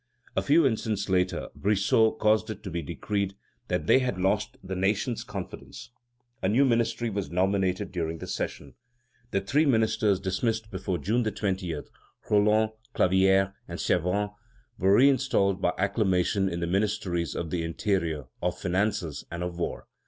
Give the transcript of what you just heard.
A few instants later, Brissot caused it to be decreed that they had lost the nation's confidence. A new ministry was nominated during the session. The three ministers dismissed before June 20 Roland, Clavière, and Servan were reinstalled by acclamation in the ministries of the Interior, of Finances, and of War.